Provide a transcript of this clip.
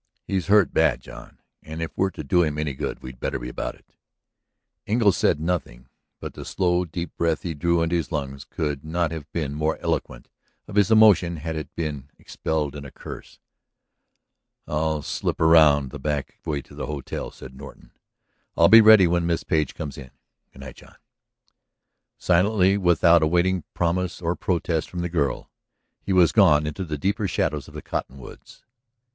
"He's hurt bad, John. And, if we're to do him any good we'd better be about it." Engle said nothing. But the slow, deep breath he drew into his lungs could not have been more eloquent of his emotion had it been expelled in a curse. "I'll slip around the back way to the hotel," said Norton. "I'll be ready when Miss Page comes in. Good night, John." Silently, without awaiting promise or protest from the girl, he was gone into the deeper shadows of the cottonwoods.